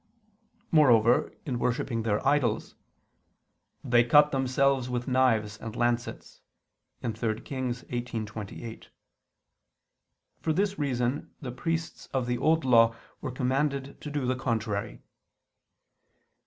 Moreover, in worshipping their idols "they cut themselves with knives and lancets" (3 Kings 18:28). For this reason the priests of the Old Law were commanded to do the contrary.